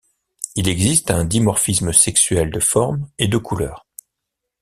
Il existe un dimorphisme sexuel de forme et de couleur.